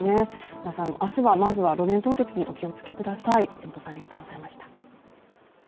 皆さん、明日はまずは路面凍結にお気をつけください。